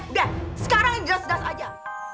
udah sekarang yang jelas jelas aja